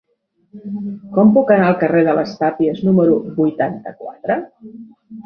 Com puc anar al carrer de les Tàpies número vuitanta-quatre?